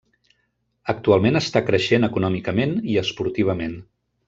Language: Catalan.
Actualment està creixent econòmicament i esportivament.